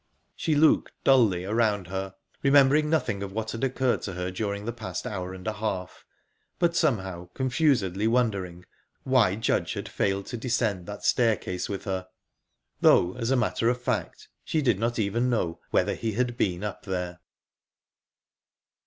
She looked dully around her, remembering nothing of what had occurred to her during the past hour and a half, but somehow, confusedly wondering why Judge had failed to descend that staircase with her though, as a matter of fact, she did not even know whether he had been up there.